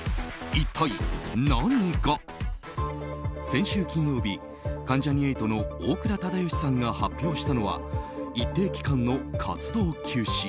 先週金曜日、関ジャニ∞の大倉忠義さんが発表したのは一定期間の活動休止。